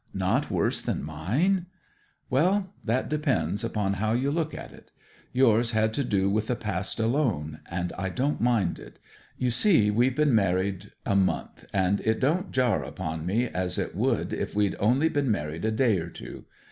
'Not worse than mine?' 'Well that depends upon how you look at it. Yours had to do with the past alone; and I don't mind it. You see, we've been married a month, and it don't jar upon me as it would if we'd only been married a day or two.